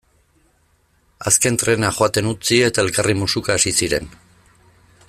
Azken trena joaten utzi eta elkarri musuka hasi ziren.